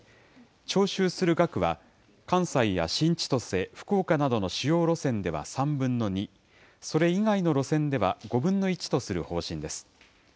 徴収する額は、関西や新千歳、福岡などの主要路線では３分の２、それ以外の路線では５分の１とする方針です。